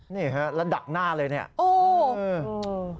นี่ฮะระดับหน้าเลยนี่อืม